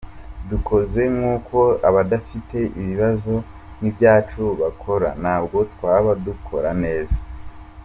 Dukoze nk’uko abadafite ibibazo nk’ibyacu bakora, ntabwo twaba dukora neza”.